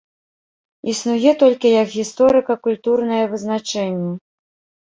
Існуе толькі як гісторыка-культурнае вызначэнне.